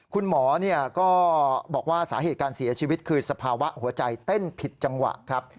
คุณหมอก็บอกว่าสาเหตุการเสียชีวิตคือสภาวะหัวใจเต้นผิดจังหวะครับ